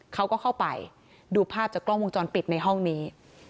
เขาก็เข้าไปดูภาพจากกล้องวงจรปิดในห้องนี้